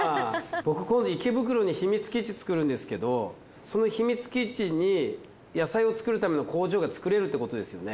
僕今度池袋に秘密基地作るんですけどその秘密基地に野菜を作るための工場が作れるってことですよね？